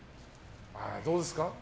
どうですか？